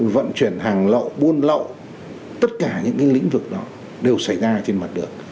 vận chuyển hàng lậu buôn lậu tất cả những lĩnh vực đó đều xảy ra trên mặt đường